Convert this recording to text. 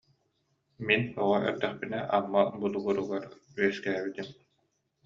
Мин оҕо эрдэхпинэ Амма Болугуругар үөскээбитим